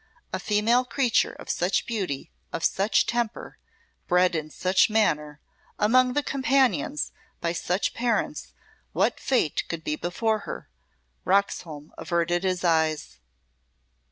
A female creature of such beauty, of such temper, bred in such manner, among such companions, by such parents what fate could be before her? Roxholm averted his eyes.